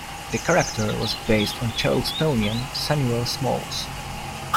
The character was based on Charlestonian Samuel Smalls.